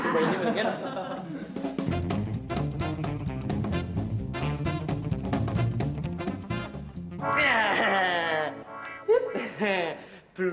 bukanya gak keliatan yang terkenal